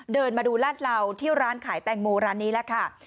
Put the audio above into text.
เดินมาดูลาดเหล่าที่ร้านขายแตงโมร้านนี้แหละค่ะ